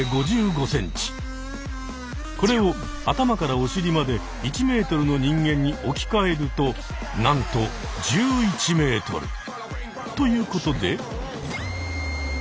これを頭からおしりまで１ｍの人間に置きかえるとなんと１１ｍ！という事で。